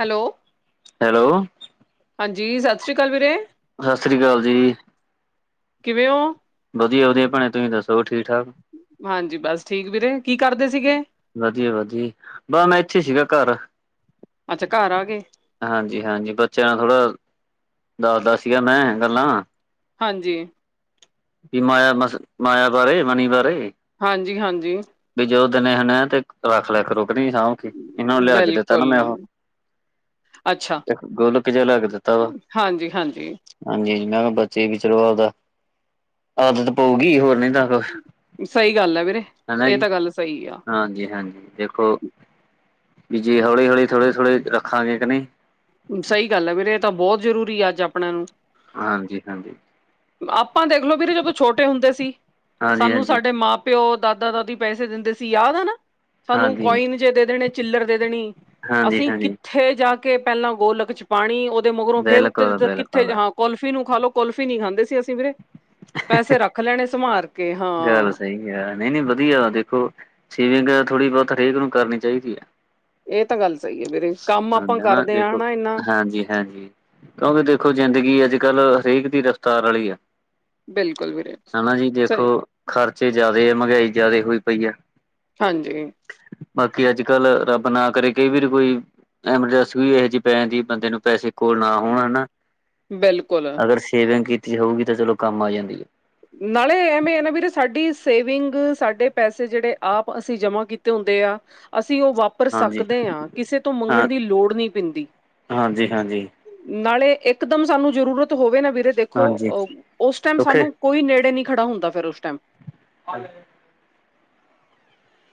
Hello. Hello. ਹਾਂਜੀ, ਸਤਿ ਸ੍ਰੀ ਅਕਾਲ ਵੀਰੇ। ਸਤਿ ਸ਼੍ਰੀ ਅਕਾਲ ਜੀ। ਕਿਵੇਂ ਓ। ਵਧੀਆ- ਵਧੀਆ ਭੈਣੇਂ ਤੁਹੀਂ ਦੱਸੋ ਠੀਕ ਠਾਕ। ਹਾਂਜੀ, ਬਸ ਠੀਕ ਵੀਰੇ ਕੀ ਕਰਦੇ ਸੀਗੇ। ਵਧੀਆ- ਵਧੀਆ ਬਹ ਮੈਂ ਇੱਥੇ ਸੀਗਾ ਘਰ। ਅੱਛਾ ਘਰ ਆ ਗਏ, ਹਾਂਜੀ-ਹਾਂਜੀ ਬੱਚਿਆਂ ਨਾਲ ਥੋੜਾਂ ਦੱਸਦਾ ਸੀਗਾ ਮੈਂ ਗੱਲਾਂ। ਹਾਂਜੀ। ਕੀ ਮਾਇਆ ਮਸ ਮਾਇਆ ਬਾਰੇ ਮਨੀ ਬਾਰੇ। ਹਾਂਜੀ- ਹਾਂਜੀ। ਵੀ ਜਦੋਂ ਦਿੰਨੇ ਹੁੰਨੇ ਆ ਤੇ ਰੱਖ ਲਿਆ ਕਰੋ ਕੇ ਨਈ ਸਾਂਭ ਕੇ, ਇਹਨਾਂ ਨੂੰ ਲਿਆ ਦਿੱਤਾ ਨਾ ਬਿਲਕੁਲ, ਮੈਂ ਉਹ ਅੱਛਾ, ਇੱਕ ਗੋਲਕ ਜਾ ਲਿਆ ਕੇ ਦਿੱਤਾ ਵਾ ਹਾਂਜੀ, ਹਾਂਜੀ ਹਾਂਜੀ, ਮੈਂ ਕਿਹਾ ਬੱਚੇ ਵੀ ਚਲੋਂ ਆਂਵਦਾ ਆਦਤ ਪਊਗੀ ਹੋਰ ਨੀ ਆਹੋ, ਸਹੀ ਗੱਲ ਹੈ ਵੀਰੇ। ਹਨਾ ਇਹ ਜੀ ਤਾਂ ਗੱਲ ਸਹੀ ਆ, ਹਾਂਜੀ- ਹਾਂਜੀ ਦੇਖੋ। ਵੀ ਜੇ ਹੌਲੀ-ਹੌਲੀ ਥੋੜੇ-ਥੋੜੇ ਰਖਾਂਗੇ ਕਿ ਨਈ ਸਹੀ ਗੱਲ ਐ ਵੀਰੇ ਇਹ ਤਾਂ ਬਹੁਤ ਜ਼ਰੂਰੀ ਆ ਅੱਜ ਆਪਣਿਆਂ ਨੂੰ। ਹਾਂਜੀ-ਹਾਂਜੀ। ਆਪਾਂ ਦੇਖਲੋ ਬੀਰੇ ਜਦੋਂ ਛੋਟੇ ਹੁੰਦੇ ਸੀ, ਸਾਨੂੰ ਹਾਂਜੀ-ਹਾਂਜੀ, ਹਾਂਜੀ। ਸਾਡੇ ਮਾਂ ਪਿਓ, ਦਾਦਾ-ਦਾਦੀ ਪੈਸੇ ਦਿੰਦੇ ਸੀ ਯਾਦ ਐ ਨਾ। ਸਾਨੂੰ ਹਾਂਜੀ ਹਾਂਜੀ ਕੋਇਨ ਜੇਹੇ ਦੇ ਦੇਣੇ ਚਿਲਰ ਦੇ ਦੇਣੀ, ਹਾਂਜੀ ਅਸੀਂ ਹਾਂਜੀ ਕਿੱਥੇ ਜਾ ਕੇ ਪੈਲਾਂ ਗੋਲਕ ਚ ਪਾਣੀ ਓਦੇ ਮਗਰੋਂ ਫੇਰ ਬਿਲਕੁਲ ਉੱਤੇ ਬਿਲਕੁਲ ਕਿੱਥੇ ਹਾਂ ਕੋਲਫੀ ਨੂੰ ਖਾਲੋ, ਕੋਲਫੀ ਨੀ ਖਾਂਦੇ ਸੀ ਅਸੀ ਵੀਰੇ। ਪੈਸੇ ਰੱਖ ਲੈਣੇ ਸੰਭਾਲ ਕੇ। ਹਾਂ ਗੱਲ ਸਈ ਐ, ਨਈਂ-ਨਈਂ ਵਧੀਆ ਦੇਖੋ, ਸੇਵਿੰਗ ਥੋੜ੍ਹੀ ਬੋਤ ਹਰੇਕ ਨੂੰ ਕਰਨੀ ਚਾਈਦੀ ਐ। ਏ ਤਾਂ ਗੱਲ ਸਈ ਐ ਵੀਰੇ, ਕੰਮ ਆਪਾਂ ਕਰਦੇ ਆਂ, ਹਨਾ ਇਨਾ ਹਾਂਜੀ-ਹਾਂਜੀ। ਕਿਉਂਕਿ ਦੇਖੋ ਜ਼ਿੰਦਗੀ ਅੱਜ-ਕੱਲ ਹਰੇਕ ਦੀ ਰਫਤਾਰ ਆਲੀ ਆ। ਬਿਲਕੁਲ ਵੀਰੇ ਹਨਾ ਜੀ ਸਹੀ ਦੇਖੋ, ਖਰਚੇ ਜਾਦੇ ਆ ਮੈਂਗਾਈ ਜਾਦਾ ਹੋਈ ਪਈ ਐ। ਹਾਂਜੀ। ਬਾਕੀ ਅੱਜ-ਕੱਲ ਰੱਬ ਨਾ ਕਰੇ ਕਈ ਵਾਰੀ ਕੋਈ ਐਮਰਜੈਂਸੀ ਵੀ ਏਹੋ ਜਿ ਪੈ ਜਾਂਦੀ ਬੰਦੇ ਨੂੰ, ਪੈਸੇ ਕੋਲ ਨਾ ਹੋਣ ਹਨਾ। ਬੇਲਕੁਲ। ਅਗਰ ਸੇਵਿੰਗ ਕੀਤੀ ਹੋਊਗੀ, ਤਾਂ ਚਲੋ ਕੰਮ ਆ ਜਾਂਦੀਏ। ਨਾਲੇ ਐਵੇਂ ਨਾ ਵੀਰੇ ਸਾਡੀ ਸੇਵਿੰਗ ਸਾਡੇ ਪੈਸੇ ਜੇੜੇ ਆਪ ਅਸੀਂ ਜਮ੍ਹਾਂ ਕੀਤੇ ਹੁੰਦੇ ਆ। ਅਸੀ ਓ ਵਾਪਰ ਹਾਂਜੀ ਸਕਦੇ ਆਂ, ਕਿਸੇ ਤੋਂ ਹਾਂ ਮੰਗਣ ਦੀ ਲੋੜ ਨੀਂ ਪੈਂਦੀ। ਹਾਂਜੀ ਹਾਂਜੀ ਨਾਲੇ ਏਕਦਮ ਸਾਨੂੰ ਜਰੂਰਤ ਹੋਵੇ ਨਾ ਵੀਰੇ ਦੇਖੋ, ਹਾਂਜੀ ਅਹ ਓਸ ਟਾਈਮ ਔਖੇ ਸਾਨੂੰ ਕੋਈ ਨੇੜੇ ਨੀਂ ਖੜਾ ਹੁੰਦਾ, ਫੇਰ ਓਸ ਟਾਈਮ। [unintelligible]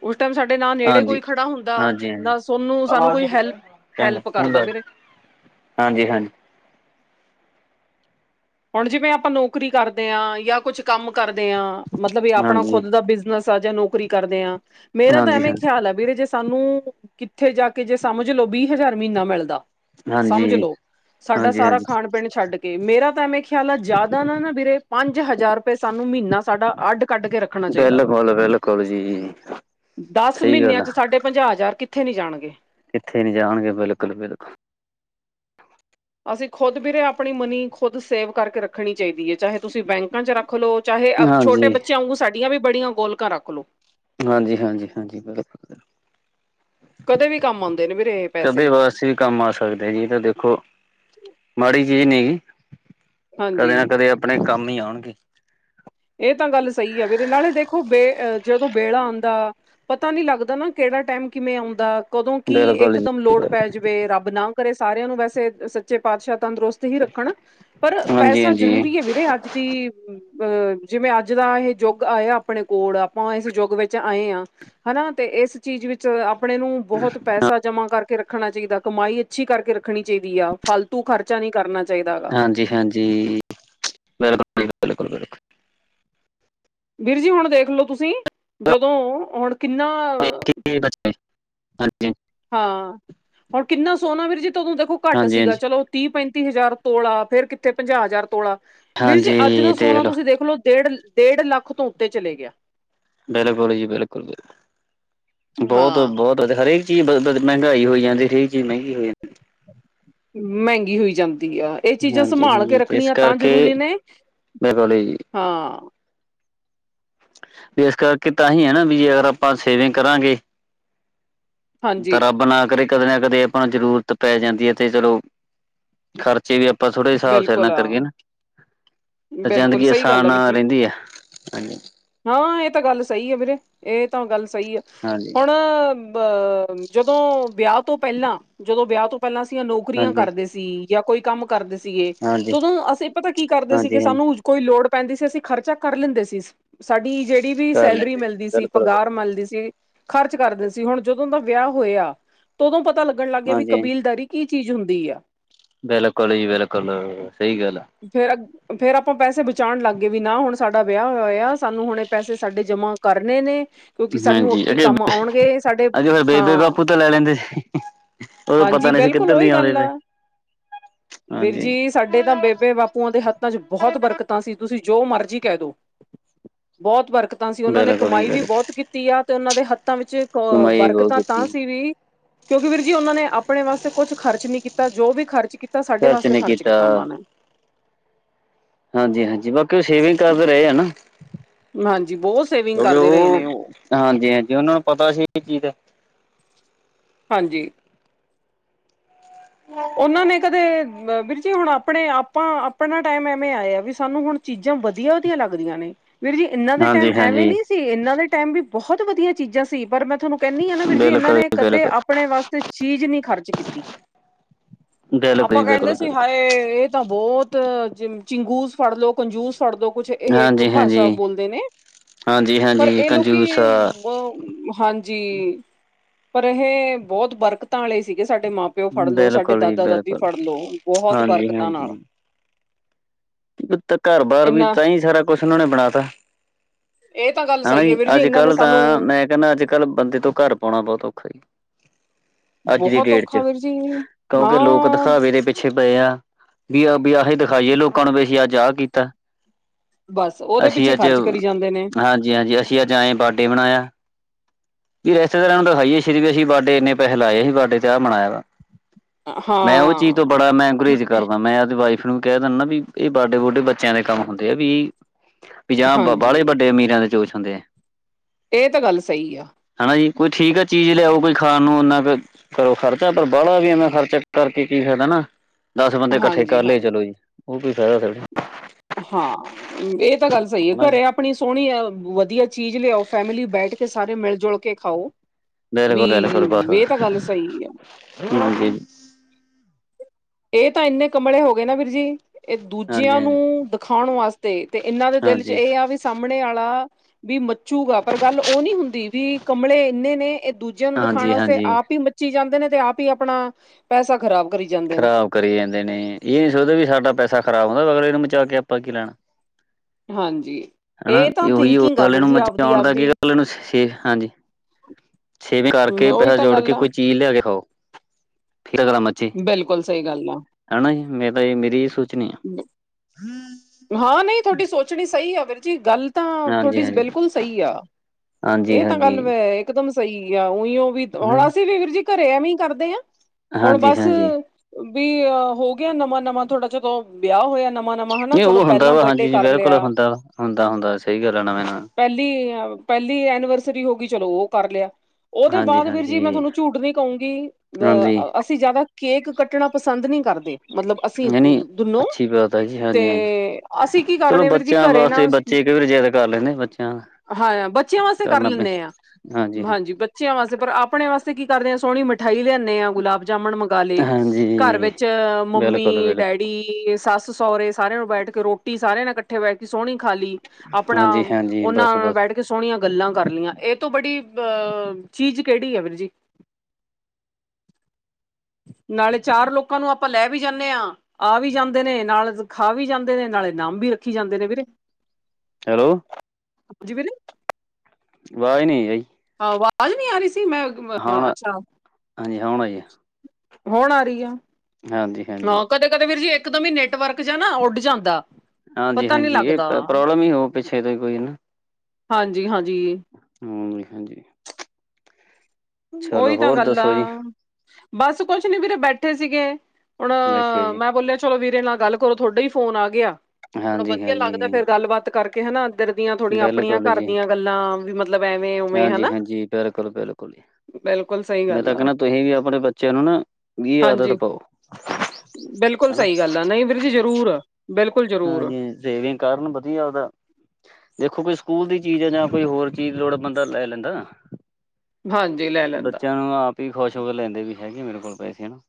ਉਸ ਟਾਈਮ ਸਾਡੇ ਨਾ ਨੇੜੇ ਹਾਂਜੀ ਕੋਈ ਖੜਾ ਹੁੰਦਾ, ਹਾਂਜੀ ਹਾਂਜੀ ਨਾ ਸੋਨੂੰ ਸਾਨੂੰ ਕੋਈ ਹੈਲਪ ਹੈਲਪ ਕਰਦਾ ਵੀਰੇ। ਹਾਂਜੀ-ਹਾਂਜੀ। ਹੁਣ ਜਿਵੇਂ ਆਪਾਂ ਨੌਕਰੀ ਕਰਦੇ ਆਂ ਜਾਂ ਕੁਛ ਕੰਮ ਕਰਦੇ ਆਂ ਮਤਲਬ ਵੀ ਅਪਨਾ ਹਾਂਜੀ ਖੁੱਦ ਦਾ ਬਿਜਨਸ ਜਾਂ ਨੌਕਰੀ ਕਰਦੇ ਆ, ਮੇਰਾ ਤਾਂ ਹਾਂਜੀ ਐਵੇਂ ਹਾਂਜੀ ਖਿਆਲ ਐ ਵੀਰੇ ਜੇ ਸਾਨੂੰ ਕਿੱਥੇ ਜਾ ਕੇ ਜੇ ਸਮਝ ਲਓ, ਵੀਹ ਹਜਾਰ ਮੀਨਾ ਮਿਲਦਾ। ਹਾਂਜੀ ਸਮਝ ਲੋੋ, ਸਾਡਾ ਹਾਂਜੀ ਸਾਰਾ ਹਾਂਜੀ ਖਾਣ-ਪੀਣ ਛੱਡ ਕੇ ਮੇਰਾ ਤਾਂ ਐਵੇਂ ਖਿਆਲ ਆ ਜਾਦਾ ਨਾ ਨਾ ਵੀਰੇ ਪੰਜ ਹਜਾਰ ਰਪਏ ਸਾਨੂੰ ਮੀਨਾ ਸਾਡਾ ਅੱਡ ਕੱਢ ਕੇ ਰੱਖਣਾ ਚਾਈਦੈ। ਬੇਲਕੁਲ-ਬੇਲਕੁਲ ਜੀ। ਦੱਸ ਸਹੀ ਗੱਲ ਮੀਨੇਆਂ ਆ 'ਚ ਸਾਡੇ ਪੰਜਾਹ ਹਜਾਰ ਕਿੱਥੇ ਨੀ ਜਾਣਗੇ। ਕਿੱਥੇ ਨੀ ਜਾਣਗੇ ਬੇਲਕੁਲ-ਬੇਲਕੁਲ। ਅਸੀ ਖੁਦ ਵੀਰੇ ਅਪਨੀ ਮਨੀ ਖੁਦ ਸੇਵ ਕਰਕੇ ਰੱਖਣੀ ਚਾਈਦੀ ਏ, ਚਾਹੇ ਤੁਸੀਂ ਬੈਂਕਾਂ ਚ ਰੱਖ ਰੱਖਲੋ ਚਾਹੇ ਛੋਟੇ ਹਾਂਜੀ ਬੱਚਿਆਂ ਆਗੂੰ ਸਾਡੀਆਂ ਵੀ ਬੜੀਆਂ ਗੋਲਕਾਂ ਰੱਖ ਲੋ। ਹਾਂਜੀ-ਹਾਂਜੀ, ਹਾਂਜੀ, ਬਿਲਕੁਲ-ਬਿਲਕੁਲ। ਕਦੇ ਵੀ ਕੰਮ ਆਉਂਦੇ ਨੇ ਵੀਰੇ ਏ ਕਦੇ ਪੈਸੇ। ਵਾਸਤੇ ਵੀ ਕੰਮ ਆ ਸਕਦੇ ਜੀ ਏ ਤਾਂ ਦੇਖੋ, ਮਾੜੀ ਚੀਜ ਨੀ ਜੀ। ਕਦੇ ਹਾਂਜੀ ਨਾ ਕਦੇ ਅਪਨੇ ਕੰਮ ਈਂ ਆਉਣਗੇ। ਏ ਤਾਂ ਗੱਲ ਸਈ ਆ ਵੀਰੇ ਨਾਲੇ ਦੇਖੋ, ਬੇ ਜਦੋਂ ਬੇੜਾ ਆਂਦਾ ਪਤਾ ਨੀਂ ਲਗਦਾ ਨਾ ਕੇੜਾ ਟਾਈਮ ਕਿਵੇਂ ਆਂਦਾ। ਕਦੋਂ ਕੀ ਬਿਲਕੁਲ ਏਕ ਜੀ ਦੱਮ ਲੋੜ ਪੈਜੇ। ਜਿਵੇਂ ਰੱਬ ਨਾ ਕਰੇ ਸਾਰੇਆਂ ਨੂੰ ਵੈਸੇ ਸੱਚੇ ਪਾਤਸ਼ਾਹ ਤੰਦਰੁਸਤ ਹੀ ਰੱਖਣ। ਪਰ ਹਾਂਜੀ ਪੈਸਾ ਹਾਂਜੀ ਜਰੂਰੀ ਐ ਵੀਰੇ, ਅੱਜ ਦੀ ਅਹ ਜਿਵੇਂ ਅੱਜ ਦਾ ਇਹੇ ਜੁੱਗ ਆਯਾ ਅਪਨੇ ਕੋਲ, ਆਪਾਂ ਇਸ ਯੁੱਗ ਵਿੱਚ ਆਏ ਆਂ, ਹਨਾ ਤੇ ਇਸ ਚੀਜ ਵਿੱਚ ਆਪਣੇ ਨੂੰ ਬਹੋਤ ਪੈਸਾ ਜਮਾ ਕਰਕੇ ਰੱਖਣਾ ਚਾਈਦੈ ਕਮਾਈ ਅੱਛੀ ਕਰਕੇ ਰੱਖਣੀ ਚਾਈਦੀ ਆ, ਫਾਲਤੂ ਖਰਚਾ ਨੀਂ ਕਰਨਾ ਚਾਈਦੈ। ਹਾਂਜੀ-ਹਾਂਜੀ, ਬਿਲਕੁਲ-ਬਿਲਕੁਲ, ਬਿਲਕੁ ਵੀਰ ਜੀ ਹੁਣ ਦੇਖਲੋ ਤੁਸੀ ਜਦੋਂ, ਹੁਣ ਕਿੰਨਾ [unintelligible] ਹਾਂਜੀ। ਹਾ, ਹੁਣ ਕਿੰਨਾ ਸੋਹਣਾ ਵੀਰ ਜੀ, ਤੁਦੋਂ ਦੇਖੋ ਘੱਟ ਸੀਗਾ ਹਾਂਜੀ ਚਲੋ ਤੀਹ-ਪੈਂਤੀ ਹਜ਼ਾਰ ਤੋਲਾ, ਫੇਰ ਕਿੱਥੇ ਪੰਜਾਹ ਹਜ਼ਾਰ ਤੋਲਾ। ਵੀਰ ਜੀ ਅੱਜ ਦਾ ਸੋਨਾ ਤੁਸੀਂ ਦੇਖਲੋ, ਡੇਢ, ਡੇਢ ਲੱਖ ਤੋਂ ਉੱਤੇ ਚਲੇ ਗਿਆ। ਬਿਲਕੁਲ ਜੀ, ਬਿਲਕੁਲ, ਹਾਂ ਬਹੁਤ-ਬਹੁਤ ਹਰੇਕ ਚੀਜ਼ ਮਹਿੰਗਾਈ ਹੋਈ ਜਾਂਦੀ, ਹਰੇਕ ਚੀਜ਼ ਮਹਿੰਗੀ ਹੋਈ ਮਹਿੰਗੀ ਹੋਈ ਜਾਂ ਵਧੀਆ, ਏ ਜਾਂਦੀ ਚੀਜ਼ਾਂ ਹਾਂਜੀ ਸੰਭਾਲਕੇ ਹਾਂਜੀ ਤੇ ਇਸ ਰੱਖਣੀਆਂ ਤਾਂ ਕਰਕੇ ਜ਼ਰੂਰੀ ਨੇ, ਬਿਲਕੁਲ ਜੀ ਹਾਂ। ਵੀ ਇਸ ਕਰਕੇ ਤਾਂਹੀ ਐ ਨਾ, ਵੀ ਜੇ ਅਗਰ ਆਪਾਂ ਸੇਵਿੰਗ ਕਰਾਂਗੇ। ਤਾਂ ਹਾਂਜੀ ਰੱਬ ਨਾ ਕਰੇ ਕਦੇ ਨਾ ਕਦੇ ਆਪਾਂ ਨੂੰ ਜ਼ਰੂਰਤ ਪੈ ਜਾਂਦੀ ਐ, ਤੇ ਚਲੋ ਖਰਚੇ ਵੀ ਆਪਾ ਥੋੜੇ ਹਿਸਾਬ ਸਿਰ ਬਿਲਕੁਲ ਨਾਲ ਆ ਕਰੀਏ ਨਾ ਤੇ ਬਿਲਕੁਲ ਜਿੰਦਗੀ ਸਹੀ ਗੱਲ ਆ ਅਸਾਨ ਵੀਰ ਜੀ ਰਹਿੰਦੀ ਆ। ਹਾਂ, ਇਹ ਤਾਂ ਗੱਲ ਸਹੀ ਆ ਵੀਰੇ, ਇਹ ਤਾਂ ਗੱਲ ਸਹੀ ਆ, ਹਾਂਜੀ ਹੁਣ ਅ ਬਬ ਜਦੋਂ, ਵਿਆਹ ਤੋਂ ਪਹਿਲਾਂ, ਜਦੋਂ ਵਿਆਹ ਤੋਂ ਪਹਿਲਾਂ ਅਸੀ ਨੌਕਰੀਆਂ ਹਾਂਜੀ ਕਰਦੇ ਸੀ, ਯਾ ਕੋਈ ਕੰਮ ਕਰਦੇ ਸੀਗੇ, ਹਾਂਜੀ ਤਦੋਂ ਅਸੀਂ ਪਤਾ ਕੀ ਕਰਦੇ ਸੀਗੇ ਹਾਂਜੀ ਹਾਂਜੀ ਸਾਨੂੰ ਕੋਈ ਲੋੜ ਪੈਂਦੀ ਸੀ, ਅਸੀਂ ਖਰਚਾ ਕਰ ਲੀਂਦੇ ਸੀ, ਸਾਡੀ ਜਿਹੜੀ ਵੀ ਕਰ ਸੈਲਰੀ ਲੈਂਦੇ ਮਿਲਦੀ ਸੀ, ਬਿਲਕੁਲ ਪਗਾਰ ਬਿਲਕੁਲ ਮਲਦੀ ਸੀ ਖਰਚ ਕਰਦੇ ਸੀ, ਹੁਣ ਜਦੋਂ ਦਾ ਵਿਆਹ ਹੋਇਆ ਤਦੋਂ ਪਤਾ ਲੱਗਣ ਲੱਗ ਗਿਆ ਵੀ ਹਾਂਜੀ ਕਬੀਲਦਾਰੀ ਕੀ ਚੀਜ਼ ਹੁੰਦੀ ਆ। ਬਿਲਕੁਲ ਜੀ, ਬਿਲਕੁਲ, ਸਹੀ ਗੱਲ ਆ। ਫੇਰ, ਫ਼ੇਰ ਆਪਾਂ ਪੈਸੇ ਬਚਾਣ ਲੱਗ ਗਏ ਵੀ ਨਾ ਹੁਣ ਸਾਡਾ ਵਿਆਹ ਹੋਇਆ ਆ ਤੁਹਾਨੂੰ ਹੁਣ ਏ ਪੈਸੇ ਜਮ੍ਹਾਂ ਕਰਨੇ ਨੇ। ਕਿਉਂਕਿ ਸਾਨੂੰ ਹਾਂਜੀ, ਅੱਗੇ ਅਗੇ, ਕੰਮ ਆਉਣਗੇ ਸਾਡੇ ਅੱਗੇ ਫਿਰ ਹਾਂ ਬੇਬੇ-ਬਾਪੂ ਤੋਂ ਲੈ ਲੈਂਦੇ ਉਦੋਂ ਪਤਾ ਹਾਂਜੀ ਨੀ ਸੀ ਬਿਲਕੁਲ ਕਿੱਧਰ ਦੀ ਉਹੀ ਆਉਂਦੇ ਗੱਲ ਨੇ, ਆ ਵੀਰ ਹਾਂਜੀ। ਜੀ ਸਾਡੇ ਤਾਂ ਬੇਬੇ-ਬਾਪੂਆਂ ਦੇ ਹੱਥਾਂ'ਚ ਬਹੁਤ ਬਰਕਤਾਂ ਸੀ, ਤੁਸੀਂ ਜੋ ਮਰਜ਼ੀ ਕਹਿਦੋ। ਬਹੁਤ ਬਰਕਤਾਂ ਸੀ, ਉਹਨਾਂ ਨੇ ਬਿਲਕੁਲ ਜੀ ਕਮਾਈ ਵੀ ਬਿਲਕੁਲ ਬਹੁਤ ਕੀ ਤੀਆ, ਤੇ ਉਹਨਾਂ ਦੇ ਹੱਥਾਂ ਵਿੱਚ ਅ ਕਮਾਈ ਬਹੁਤ ਬਰਕਤਾਂ ਕੀਤੀ ਤਾਂ ਸੀ ਵੀ ਕਿਉਂਕਿ ਵੀਰ ਜੀ ਉਹਨਾਂ ਨੇ ਆਪਣੇ ਵਾਸਤੇ ਕੁੱਛ ਖਰਚ ਨੀ ਕੀਤਾ, ਜੋ ਵੀ ਖਰਚ ਕੀਤਾ ਸਾਡੇ ਵਾਸਤੇ ਖਰਚ ਕੀਤਾ ਉਹਨਾਂ ਨੇ। ਹਾਂਜੀ-ਹਾਂਜੀ, ਬਾਕੀ ਉਹ ਸ਼ੇਵਿੰਗ ਕਰਦੇ ਰਹੇ ਆ ਨਾ। ਹਾਂਜੀ, ਬਹੁਤ ਸੇਵਿੰਗ ਕਿਉਂਕਿ ਕਰਦੇ ਰਹੇ ਉਹ, ਨੇ ਹਾਂਜੀ-ਹਾਂਜੀ, ਉਹਨਾਂ ਨੂੰ ਪਤਾ ਸੀ ਇਹ ਚੀਜ਼ ਹਾਂਜੀ। [inaudible] ਉਹਨਾਂ ਨੇ ਕਦੇ ਜੀ ਬਿਰਜੀ ਹੁਣ ਆਪਣੇ, ਆਪਾਂ ਆਪਣਾ ਟਾਇਮ ਐਵੇਂ ਆਇਆ, ਵੀ ਸਾਨੂੰ ਹੁਣ ਚੀਜ਼ਾਂ ਵਧੀਆ-ਵਧੀਆ ਲੱਗਦੀਆਂ ਨੇ‌। ਵੀਰ ਜੀ ਇਹਨਾਂ ਦੇ ਟਾਈਮ ਹਾਂਜੀ ਐਵੇਂ ਹਾਂਜੀ ਨਹੀਂ ਸੀ, ਇਹਨਾਂ ਦੇ ਟਾਈਮ ਵੀ ਬਹੁਤ ਵਧੀਆ ਚੀਜ਼ਾਂ ਸੀ, ਪਰ ਮੈਂ ਥੋਨੂੰ ਕਹਿੰਨੀ ਆ ਨਾ ਵੀਰ ਜੀ ਇਹਨਾਂ ਬਿਲਕੁਲ ਨੇ ਕਦੇ ਬਿਲਕੁਲ ਆਪਣੇ ਵਾਸਤੇ, ਚੀਜ਼ ਨਹੀਂ ਖਰਚ ਕੀਤੀ। ਬਿਲਕੁਲ ਆਪਾਂ ਜੀ ਕਹਿੰਦੇ ਬਿਲਕੁਲ ਸੀ ਬਿਲਕੁਲ ਹਾਏ, ਇਹ ਤਾਂ ਬਹੁਤ ਚਿੰਗੂਸ ਫੜਲੋ, ਕੰਜੂਸ ਫੜਲੋ ਕੁੱਛ ਇਹ ਇੱਕ ਹਾਂਜੀ ਹਾਂਜੀ ਭਾਸ਼ਾ ਬੋਲਦੇ ਨੇ, ਹਾਂਜੀ ਪਰ ਹਾਂਜੀ ਇਹ ਲੋਕੀ ਕੰਜੂਸ ਆ ਹਾਂਜੀ, ਪਰ ਇਹ ਬਹੁਤ ਬਰਕਤਾਂ ਵਾਲੇ ਸੀ, ਸਾਡੇ ਮਾ ਪਿਓ, ਫੜਲੋ, ਸਾਡੇ ਬਿਲਕੁਲ ਜੀ ਦਾਦਾ-ਦਾਦੀ ਬਿਲਕੁਲ ਫੜਲੋ, ਬਹੁਤ ਹਾਂਜੀ ਬਰਕਤਾਂ ਨਾਲ‌‌। ਘਰ-ਬਾਰ ਵੀ ਇਹਨਾਂ ਤਾਂ ਈ ਸਾਰਾ ਕੁਛ ਉਹਨਾਂ ਨੇ ਬਣਾਤਾ‌। ਇਹ ਤਾਂ ਗੱਲ ਹੈਨਾ ਸਹੀ ਹੈ ਜੀ, ਵੀਰ ਇਹਨਾਂ ਨੇ ਅੱਜ-ਕੱਲ ਸਾਨੂੰ ਤਾਂ ਮੈਂ ਕਹਿੰਨਾ, ਅੱਜ-ਕੱਲ ਬੰਦੇ ਤੋਂ ਘਰ ਪਾਣਾ ਬਹੁਤ ਔਖਾ ਸੀ। ਅੱਜ ਦੀ ਬਹੁਤ ਡੇਟ ਔਖਾ 'ਚ ਵੀਰ ਜੀ ਕਿਉਂਕਿ ਲੋਕ ਹਾਂ ਦਿਖਾਵੇ ਦੇ ਪਿ ਪਿੱਛੇ ਪਏ ਆ ਵੀ ਅ ਵੀ ਅਹੀ ਦਿਖਾਈਏ ਲੋਕਾਂ ਨੂੰ ਬੀ ਅਹੀ ਅੱਜ ਆ ਕੀਤਾ। ਬਸ ਉਹਦੇ ਅਸੀਂ ਪਿੱਛੇ ਅੱਜ ਖਰਚ ਕਰੀ ਜਾਂਦੇ ਨੇ ਹਾਂਜੀ-ਹਾਂਜੀ, ਅਸੀਂ ਅੱਜ ਐਂ ਬਰਡੇ ਮਨਾਇਆ। ਰਿਸ਼ਤੇਦਾਰ ਨੂੰ ਦਿਖਾਈਏ ਸੀ ਵੀ ਅਹੀ ਬਰਡੇ ਐਨੇ ਪੈਹੇ ਲਾਏ, ਅਹੀ ਬਰਡੇ ਐ ਮਨਾਇਆ ਵਾ। ਮੈ ਓ ਚੀਜ ਤੋ ਹਾਂ ਬੜਾ ਮੈ ਗੁਰੇਜ ਕਰਦਾ ਮੈ ਅੱਜ ਵਾਈਫ ਨੂੰ ਕਹਿ ਦਿੰਨਾ, ਵੀ ਏ ਬਡੇ-ਬੁਡੇ ਬੱਚਿਆ ਦੇ ਕੰਮ ਹੁੰਦੇ ਆ ਵੀ। ਵੀ ਆ ਬ, ਹਾਂਜੀ ਬਾਹਲੇ ਵੱਡੇ ਅਮੀਰਾ ਦੇ ਚੋਚ ਹੁੰਦੇ ਆ। ਏ ਤਾ ਗੱਲ ਸਈ ਆ! ਹਨਾ ਜੀ, ਕੋਈ ਠੀਕ ਆ ਚੀਜ ਲਿਆਓ, ਕੋਈ ਖਾਣ ਨੂੰ ਉਨਾ ਕੁ ਕਰੋ ਖਰਚਾ, ਪਰ ਬਾਲਾ ਵੀ ਐਵੇਂ ਖਰਚਾ ਕਰਕੇ ਕੀ ਫੈਦਾ, ਨਾ? ਦੱਸ ਬੰਦੇ ਕੱਠੇ ਹਾਂਜੀ ਕਰ ਹਾਂ ਲਏ, ਚਲੋ ਜੀ, ਓ ਕੋਈ ਫੈਦਾ ਥੋੜ੍ਹੀ! ਹਾਂ, ਏ ਤਾਂ ਗੱਲ ਸਹੀ ਆ ਘਰੇ ਆਪਾ ਆਪਣੀ ਸੋਹਣੀ ਅ ਵਧੀਆ ਚੀਜ ਲਿਆਓ, ਫੈਮਲੀ ਬੈਠ ਕੇ ਸਾਰੇ ਮਿਲ-ਜੁਲ ਕੇ ਖਾਓ। ਵੀ ਏ ਤਾ ਗੱਲ ਸਹੀ ਆ। ਹਾਜੀ। ਏ ਤਾਂ ਇੰਨੇ ਕਮਲੇ ਹੋ ਗਏ ਨਾ, ਵੀਰ ਜੀ, ਏ ਦੂਜਿਆ ਨੂੰ ਹਾਂਜੀ-ਹਾਂਜੀ, ਦਖਾਣ ਵਾਸਤੇ ਤੇ ਇਹਨਾਂ ਦੇ ਦਿਲ 'ਚ ਹਾਂਜੀ, ਏ ਆ ਵੀ ਸਾਹਮਣੇ ਆਲਾ ਵੀ ਮੱਚੂਗਾ, ਪਰ ਗੱਲ ਓ ਨੀ ਹੁੰਦੀ! ਵੀ ਕਮਲੇ ਇੰਨੇ ਨੇ, ਏ ਦੂਜਿਆ ਨੂੰ ਦਿਖਾਣ ਆਸਤੇ ਹਾਂਜੀ-ਹਾਂਜੀ ਆਪ ਈ ਮੱਚੀ ਜਾਂਦੇ ਨੇ, ਤੇ ਆਪ ਈ ਆਪਣਾ ਪੈਸਾ ਖਰਾਬ ਕਰੀ ਜਾਂਦੇ ਨੇ। ਖ਼ਰਾਬ ਕਰੀ ਜਾਂਦੇ ਨੇ! ਏ ਨੀ ਸੋਚਦੇ ਵੀ ਸਾਡਾ ਪੈਸਾ ਖਰਾਬ ਹੁੰਦਾ, ਅਗਲੇ ਨੂੰ ਮਚਾ ਕੇ ਆਪਾ ਕੀ ਲੈਣਾ? ਹਾਂਜੀ ਹਨਾ, ਇਹ ਤਾਂ ਏ ਓਹੀ ਗੱਲ, ਥਿੰਕਿੰਗ ਆ ਅਗਲੇ ਵੀਰ ਨੂੰ ਜੀ ਆਪਦੀ ਮਚਾਉਣ ਦਾ ਕੀ ਆਪਦੀ ਅਗਲੇ ਨੂੰ ਛੇ ਹਾਜੀ! ਸੈਵਿੰਗ ਹਮ ਕਰਕੇ, ਉਹੀ ਪੈਸਾ ਤਾਂ ਜੋੜ ਗੱਲ ਕੇ ਆ ਕੋਈ ਚੀਜ ਲਿਆ ਕੇ ਖਾਓ, ਫੇਰ ਅਗਲਾ ਮੱਚੂ ਬਿਲਕੁਲ ਸਹੀ ਗੱਲ ਆ! ਹਨਾ ਜੀ, ਮੈ ਤਾਂ ਏ ਮੇਰੀ ਏ ਸੋਚਣੀ ਆ। ਹਾਂ ਨਈ ਤੁਹਾਡੀ ਸੋਚਣੀ ਸਈ ਆ, ਵੀਰ ਜੀ, ਗੱਲ ਤਾਂ ਤੁਹਾਡੀ ਹਾਂਜੀ-ਹਾਂਜੀ, ਬਿਲਕੁਲ ਸਹੀ ਆ, ਇਹ ਤਾ ਗੱਲ ਹਾਂਜੀ-ਹਾਂਜੀ ਵ ਇਕਦਮ ਸਈ ਆ! ਉਹੀਓ, ਵੀ ਹਨਾ ਹੁਣ ਜੀ ਅਸੀਂ ਵੀ ਵੀਰ ਜੀ ਘਰੇ ਐਵੇਂ ਈ ਕਰਦੇ ਆਂ ਹੁਣ ਬਸ ਹਾਂਜੀ-ਹਾਂਜੀ ਵੀ ਹੋ ਗਿਆ, ਨਵਾ-ਨਵਾ ਥੋਡਾ ਜਦੋਂ ਵਿਆਹ ਹੋਇਆ ਨਵਾ-ਨਵਾ। ਨਹੀ, ਓ ਹੁੰਦਾ ਵਾ ਹਾਂਜੀ, ਬਿਲਕੁਲ ਹੁੰਦਾ ਵਾ! ਹੁੰਦਾ, ਹੁੰਦਾ, ਸਹੀ ਗੱਲ ਆ, ਨਵਾਂ-ਨਵਾਂ। ਪਹਿਲੀ, ਪਹਿਲੀ ਐਨੀਵਰਸਰੀ ਹੋ ਗਈ, ਚਲੋ ਓ ਕਰ ਲਿਆ! ਓਦੇ ਬਾਦ, ਵੀਰ ਜੀ, ਮੈਂ ਹਾਂਜੀ-ਹਾਂਜੀ, ਤੁਹਾਨੂੰ ਝੂਠ ਨੀ ਕਹੂੰਗੀ ਅ ਹਾਂਜੀ ਅਸ ਅਸੀਂ ਜਾਦਾ ਕੇਕ ਕੱਟਣਾ ਪਸੰਦ ਨੀ ਕਰਦੇ, ਮਤਲਬ ਅਸੀ ਯਾਨੀ ਦੋਨੋ ਅੱਛੀ ਬਾਤ ਹੈ ਜੀ ਤੇ ਹਾਂਜੀ-ਹਾਂਜੀ ਅਸੀ ਕੀ ਚਲੋ ਕਰਦੇ ਆ ਵੀਰ ਜੀ ਬੱਚਿਆਂ ਘਰੇ ਨਾ ਵਾਸਤੇ ਬੱਚੇ ਕਈ ਵਾਰੀ ਜਿੱਦ ਕਰ ਲੈਂਦੇ ਬੱਚਿਆਂ ਹਾਂ, ਬੱਚਿਆ ਵਾਸਤੇ ਕਰ ਲੈਨੇ ਆ। ਹਾਜੀ। ਹਾਂਜੀ, ਬੱਚਿਆ ਵਾਸਤੇ, ਪਰ ਆਪਣੇ ਵਾਸਤੇ ਕੀ ਕਰਦੇ ਆਂ? ਸੋਹਣੀ ਮ ਮਠਾਈ ਲਿਆਨੇ ਆਂ ਗੁਲਾਬ ਜਾਮੁਨ ਮੰਗਾਲੇ, ਹਾਂਜੀ ਘਰ ਵਿੱਚ ਬਿਲਕੁਲ ਬਿਲਕੁਲ ਮੰਮੀ-ਡੈਡੀ ਵੀ ਸੱਸ-ਸਹੁਰੇ, ਸਾਰਿਆ ਨੂੰ ਬੈਠ ਕੇ ਰੋਟੀ ਸਾਰਿਆ ਨੇ ਕੱਠੇ ਬੈਠ ਕੇ ਸੋਹਣੀ ਖਾ ਲਈ। ਆਪਣਾ ਹਾਂਜੀ ਹਾਂਜੀ ਓਨਾ ਬਸ ਨਾ ਬਸ ਬੈਠ ਕੇ ਸੋਹਣੀਆ ਗੱਲਾਂ ਕਰ ਲਈਆ, ਇਹ ਤੋ ਬੜੀ ਅਹ ਚੀਜ ਕਿਹੜੀ ਆ ਵੀਰ ਜੀ! ਨਾਲੇ ਚਾਰ ਲੋਕਾ ਨੂੰ ਆਪਾਂ ਲੈ ਵੀ ਜਾਨੇ ਆ ਆ ਵੀ ਜਾਂਦੇ ਨੇ, ਨਾਲ ਖਾ ਵੀ ਜਾਂਦੇ ਨੇ, ਨਾਲੇ ਇਨਾਮ ਵੀ ਰੱਖੀ ਜਾਂਦੇ ਨੇ, ਵੀਰੇ! ਹੈਲੋ। ਜੀ ਵੀਰੇ? ਵਾਜ ਨੀ ਆਈ। ਹਾ ਆਵਾਜ ਨੀ ਆ ਰਹੀ ਸੀ, ਮੈਂ ਹੁਣ ਅ ਅੱਛਾ ਹਾਂਜੀ ਹੁਣ ਆਈ ਹੁਨ ਆ ਰਹੀ ਆ ਹਾਂਜੀ ਹਾਂਜੀ ਹਾਂ, ਕਦੇ- ਕਦੇ ਵੀਰ ਜੀ, ਇੱਕਦਮ ਨੈੱਟਵਰਕ 'ਚ ਨਾ ਉੱਡ ਜਾਦਾ ਹਾਂਜੀ- ਹਾਂਜੀ ਇਹ ਪ੍ਰੋਬਲਮ ਈ ਹੋਊ ਪਿੱਛੇ ਤੋਂ ਕੋਈ ਨਾ ਹਾਂਜੀ ਹਾਂਜੀ ਮੂੰਗਫਲੀ ਖਾਧੀ ਉਈ ਤਾਂ ਹੋਰ ਗੱਲ ਆ ਦੱਸੋ ਜੀ ਬਸ ਕੁਛ ਨੀ ਵੀਰੇ ਬੈਠੇ ਸੀਗੇ, ਹੁਣ, ਅੱਛਾ ਜੀ ਮੈਂ ਬੋਲਿਆ ਚਲੋ ਵੀਰੇ ਨਾਲ ਗੱਲ ਕਰੋ ਤੁਹਾਡਾ ਹੀ ਫੋਨ ਆ ਗਿਆ, ਥੋੜਾ ਹਾਂਜੀ ਵਧੀਆ ਲੱਗਦਾ ਹਾਂਜੀ ਫਿਰ ਗੱਲਬਾਤ ਕਰ। ਕੀਹੇ ਨਾ ਇੱਧਰ ਦੀਆਂ ਥੋੜੀਆਂ ਆਪਣੀਆਂ ਬਿਲਕੁਲ ਘਰ ਜੀ ਦੀਆਂ ਗੱਲਾਂ, ਵੀ ਮਤਲਬ ਐਵੇਂ ਉਵੇਂ ਹਾਂਜੀ- ਹਨਾ ਹਾਂਜੀ, ਬਿਲਕੁਲ-ਬਿਲਕੁਲ। ਖੁਲਿਆ, ਬਿਲਕੁਲ ਸਹੀ ਮੈਂ ਗੱਲ ਤਾਂ ਆ ਕਹਿਣਾ ਤੁਸੀਂ ਵੀ ਆਪਣੇ ਬੱਚਿਆਂ ਨੂੰ ਨਾ, ਵੀ ਆਦਤ ਹਾਂਜੀ ਪਾਓ। ਬਿਲਕੁਲ ਹਨਾ ਸਹੀ ਗੱਲ ਆ, ਨਹੀਂ ਵੀਰ ਜੀ ਜ਼ਰੂਰ, ਬਿਲ ਹਾਂਜੀ, ਸੇਵਿੰਗ ਕਰਨ ਵਧੀਆ ਉਹਦਾ ਦੇਖੋ ਕੋਈ ਸਕੂਲ ਦੀ ਚੀਜ਼ ਆ ਜਾਂ ਕੋਈ ਹੋਰ ਚੀਜ਼ ਲੋੜ ਬੰਦਾ ਲੈ ਲੈਂਦਾ। ਹਾਂਜ ਬੱਚਿਆਂ ਨੂੰ ਆਪ ਹੀ ਖੁਸ਼ ਹੋ ਕੇ ਲੈਂਦੇ ਵੇ, ਹੈਗੇ ਮੇਰੇ ਕੋਲ ਪੈਸੇ ਹਨਾ।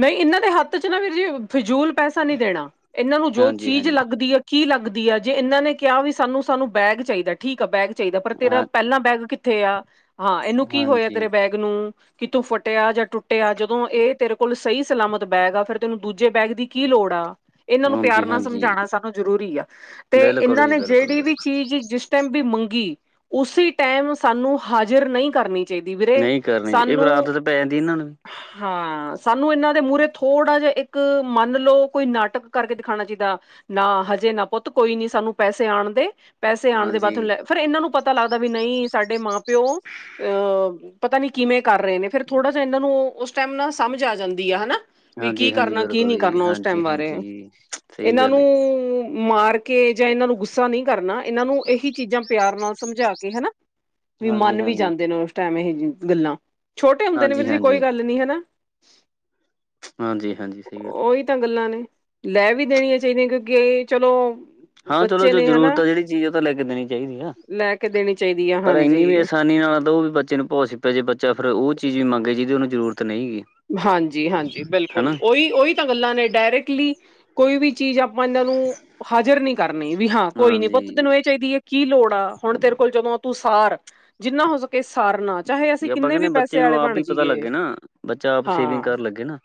ਨਹੀਂ ਇਹਨਾਂ ਦੇ ਹੱਥ 'ਚ ਨਾ ਵੀਰ ਜੀ, ਫਿਜ਼ੂਲ ਪੈਸਾ ਨਹੀਂ ਦੇਣਾ, ਇਹਨਾਂ ਨੂੰ ਜੋ ਹਾਂਜੀ ਚੀਜ਼ ਹਾਂਜੀ ਲੱਗਦੀ ਐ ਕੀ ਲੱਗਦੀ ਐ, ਜੇ ਇਹਨਾਂ ਨੇ ਕਿਹਾ ਵੀ ਸਾਨੂੰ- ਸਾਨੂੰ ਬੈਗ ਚਾਈਦਾ ਠੀਕ ਆ ਬੈਗ ਚਾਈਦਾ, ਪਰ ਤੇਰਾ ਹਾਂ ਪਹਿਲਾਂ ਬੈਗ ਕਿੱਥੇ ਆ, ਹਾਂ ਇਹਨੂੰ ਕੀ ਹੋਇਆ ਹਾਂਜੀ ਤੇਰੇ ਬੈਗ ਨੂੰ ਕਿਤੋ ਫਟਿਆ ਜਾਂ ਟੁੱਟਿਆ ਜਦੋਂ ਇਹ ਤੇਰ ਕੋਲ ਸਹੀ ਸਲਾਮਤ ਬੈਗ ਆ, ਫੇਰ ਤੈਨੂੰ ਦੂਜੇ ਬੈਗ ਦੀ ਕੀ ਲੋੜ ਆ। ਇਹਨਾਂ ਨੂੰ ਪਿਆਰ ਹਾਂਜੀ ਨਾਲ ਹਾਂਜੀ ਸਮਝਾਣਾ ਸਾਨੂੰ ਜ਼ਰੂਰੀ ਆ, ਤੇ ਬਿਲਕੁਲ ਇਹਨਾਂ ਜੀ ਨੇ ਬਿਲਕੁਲ ਜੇੜੀ ਵੀ ਬਿਲਕੁਲ ਚੀਜ਼ ਜਿਸ ਜਿਸ ਟਾਈਮ ਵੀ ਮੰਗੀ, ਉਸੇ ਟਾਈਮ ਸਾਨੂੰ ਹਾਜ਼ਰ ਨਹੀਂ ਕਰਨੀ ਚਾਈਦੀ ਵੀਰੇ, ਨਹੀਂ ਕਰਨੀ ਇਹ ਫਿਰ ਸਾਨੂੰ, ਆਦਤ ਪੈ ਜਾਂਦੀ ਇਹਨਾਂ ਨੂੰ ਵੀ ਹਾਂ ਸਾਨੂੰ ਇਹਨਾਂ ਦੇ ਮੂਹਰੇ ਥੋੜਾ ਜਿਹਾ, ਇੱਕ, ਮੰਨ ਲਓ ਕੋਈ ਨਾਟਕ ਕਰਕੇ ਦਿਖਾਣਾ ਚਾਈਦਾ। ਨਾ, ਹਜੇ ਨਾ ਪੁੱਤ ਕੋਈ ਨੀ ਸਾਨੂੰ ਪੈਸੇ ਆਣ ਦੇ ਪੈਸੇ ਆਣ ਦੇ ਹਾਂਜੀ ਬਾਅਦ ਲੈ, ਫਿਰ ਇਹਨਾਂ ਨੂੰ ਲੱਗਦਾ ਵੀ ਨਹੀਂ ਸਾਡੇ ਮਾਂ -ਪਿਓ, ਪਤਾ ਨੀ ਕਿਵੇਂ ਕਰ ਰਹੇ ਨੇ, ਫੇਰ ਥੋੜਾ ਜਿਹਾ ਇਹਨਾਂ ਨੂੰ ਉਸ ਟਾਈਮ ਨਾਲ ਸਮਝ ਆ ਜਾਂਦੀ ਆ ਹਨਾ। ਵੀ ਕੀ ਹਾਂਜੀ ਹਾਂਜੀ ਕਰਨਾ ਕੀ ਬਿਲਕੁਲ ਨਹੀਂ ਜੀ ਕਰਨਾ ਉਸ ਟੈਮ ਹਾਂਜੀ ਬਾਰੇ, ਹਾਂਜੀ ਸਹੀ ਇਹਨਾਂ ਗੱਲ ਨੂੰ ਹੈ ਮਾਰ ਕੇ ਜਾਂ ਇਹਨੂੰ ਗੁੱਸਾ ਨਹੀਂ ਕਰਨਾ, ਇਹਨਾਂ ਨੂੰ ਇਹੀ ਚੀਜ਼ਾਂ ਪਿਆਰ ਨਾਲ ਸਮਝਾ ਕੇ ਹਨਾ ਵੀ ਹਾਂਜੀ ਮੰਨ ਵੀ ਹਾਂਜੀ ਜਾਂਦੇ ਨੇ ਉਸ ਟੈਮ ਇਹ ਗੱਲਾਂ, ਛੋਟੇ ਹੁੰਦੇ ਨੇ ਵੀਰ ਹਾਂਜੀ ਜੀ ਹਾਂਜੀ ਕੋਈ ਗੱਲ ਨੀ ਹਨਾ। ਹਾਂਜੀ- ਹਾਂਜੀ ਸਹੀ ਗੱਲ। ਇਹ ਗੱਲਾਂ ਨੇ, ਲੈ ਵੀ ਦੇਣੀਆਂ ਚਾਹੀਦੀਆਂ, ਕਿਉਂਕਿ ਏ ਚਲੋ ਹਾਂ ਚਲੋ ਬੱਚੇ ਜੋ ਨੇ ਜ਼ਰੂਰਤ ਹਨਾ ਆ ਜਿਹੜੀ ਚੀਜ਼ ਉਹ ਤਾਂ ਲੈ ਕੇ ਦੇਣੀ ਚਾਈਦੀ ਆ। ਲੈ ਕੇ ਦੇਣੀ ਚਾਹੀਦੀ ਆ ਪਰ ਹਾਂਜੀ ਐਨੀ ਵੀ ਆਸਾਨੀ ਨਾਲ ਦਿਉ ਬੱਚੇ ਨੂੰ ਪੁਸ ਪੈ ਜੇ ਬੱਚਾ ਫੇਰ ਉਹ ਚੀਜ਼ ਵੀ ਮੰਗੇ ਜਿਹਦੇ ਉਹਨੂੰ ਜ਼ਰੂਰਤ ਨਹੀਂ ਹੈਗੀ। ਹਾਂਜੀ, ਹਾਂਜੀ ਬਿਲਕੁਲ ਹਨਾ ਉਈ, ਉਈ। ਇਹੋ ਗੱਲਾਂ ਨੇ, ਡਾਇਰੈਕਟਲੀ ਕੋਈ ਵੀ ਚੀਜ਼ ਆਪਾਂ ਇਹਨਾਂ ਨੂੰ ਹਾਜ਼ਰ ਨੀ ਕਰਨੀ, ਵੀ ਹਾਂ ਕੋਈ ਨੀ ਪੁੱਤ ਹਾਂਜੀ ਤੈਨੂੰ ਇਹ ਚਾਹੀਦੀ ਐ। ਕੀ ਲੋੜ ਆ, ਹੁਣ ਤੇਰੇ ਕੋਲ ਜਦੋਂ ਆ ਤੂੰ ਸਾਰ, ਜਿੰਨਾ ਹੋ ਸਕੇ ਸਾਰਨਾ। ਚਾਹੇ ਅਸੀਂ ਆਪਾਂ ਕਿੰਨੇ ਕਹਿੰਦੇ ਵੀ ਪੈਸੇ ਬੱਚੇ ਨੂੰ ਵਾਲੇ ਆਪ ਬਣ ਹੀ ਪਤਾ ਜਾਈਏ। ਲੱਗੇ ਨਾ ਬੱਚਾ ਆਪ ਸੇਵਿੰਗ ਹਾਂ ਕਰਨ ਲੱਗੇ ਨਾ‌।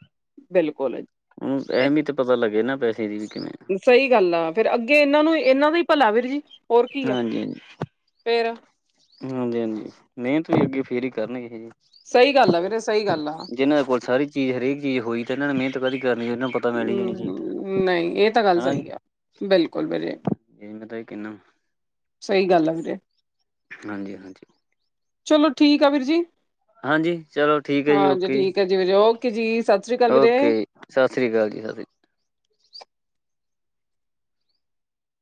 ਬਿਲਕੁਲ ਇਹੀ ਉਹਨੂੰ ਐਹਿਮੀਅਤ ਪਤਾ ਲੱਗੇ ਨਾ ਪੈਸੇ ਦੀ, ਵੀ ਕਿਵੇਂ ਆ ਸਈ ਗੱਲ ਆ, ਫੇਰ ਅੱਗੇ ਏਨਾਂ ਨੂੰ ਏਨਾਂ ਦਾ ਈ ਭਲਾ ਵੀਰ ਜੀ ਹੋਰ ਕੀ ਆ ਹਾਂਜੀ ਹਾਂਜੀ ਫੇਰ ਹਾਂਜੀ, ਹਾਂਜੀ ਮੇਨਤ ਵੀ ਅੱਗੇ ਫੇਰ ਈ ਕਰਨਗੇ ਜੀ। ਸਈ ਗੱਲ ਏ ਵੀਰੇ ਸਈ ਗੱਲ ਆ। ਜਿਨਾਂ ਦੇ ਕੋਲ ਸਾਰੀ ਚੀਜ ਹਰੇਕ ਚੀਜ ਹੋਈ ਤਾਂ ਏਨਾਂ ਨੇ ਮੈਨਤ ਕਾਦੀ ਕਰਨੀ ਓਨਾਂ ਹੂੰ, ਨਈ ਏ ਤਾਂ ਗੱਲ ਸਈ ਆ ਬਿਲਕੁਲ ਵੀਰੇ। ਏ ਮੈਤਾ ਐਈ ਕੇਨਾ। ਸਈ ਗੱਲ ਆ ਵੀਰੇ। ਹਾਂਜੀ, ਹਾਂਜੀ। ਚਲੋ, ‌ ਠੀਕ ਆ ਵੀਰ ਜੀ। ਹਾਂਜੀ ਚਲੋ ਠੀਕ ਹੈ ਜੀ ਹਾਂਜੀ ਓਕੇ ਠੀਕ ਐ ਜੀ ਵੀਰੇ। ਓਕੇ ਜੀ ਸਤਿ ਸ੍ਰੀ ਅਕਾਲ ਵੀਰੇ। ਸਤ ਸ਼੍ਰੀ ਅਕਾਲ ਜੀ। ਸਤਿ